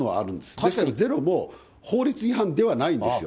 確かにゼロも法律違反ではないんですよ。